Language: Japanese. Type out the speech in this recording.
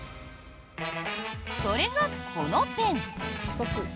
それがこのペン。